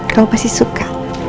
kamu pasti suka